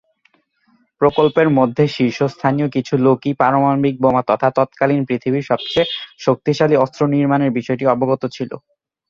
প্রকল্পের মধ্যে শীর্ষস্থানীয় কিছু লোকই পারমাণবিক বোমা তথা তৎকালীন পৃথিবীর সবচেয়ে শক্তিশালী অস্ত্র নির্মাণের বিষয়টি অবগত ছিল।